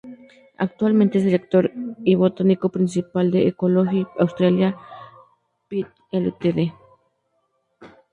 Actualmente es Director y Botánico Principal de Ecology Australia Pty Ltd.